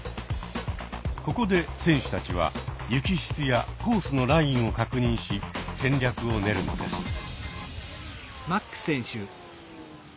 ここで選手たちは雪質やコースのラインを確認し戦略を練るのです。